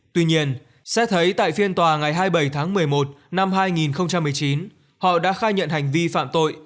tuy nhiên xét thấy tại phiên tòa ngày hai mươi bảy tháng một mươi một năm hai nghìn một mươi chín họ đã khai nhận hành vi phạm tội